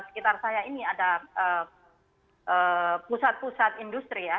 sekitar saya ini ada pusat pusat industri ya